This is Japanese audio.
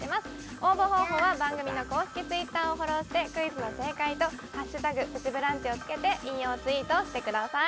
応募方法は番組の公式Ｔｗｉｔｔｅｒをフォローしてクイズの正解と「＃プチブランチ」をつけて引用ツイートをしてください